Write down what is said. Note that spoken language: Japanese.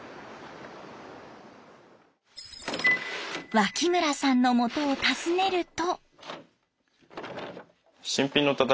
脇村さんのもとを訪ねると。